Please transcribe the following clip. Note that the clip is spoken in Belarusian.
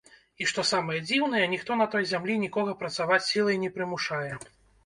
І што самае дзіўнае, ніхто на той зямлі нікога працаваць сілай не прымушае.